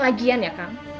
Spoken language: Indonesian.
lagian ya kang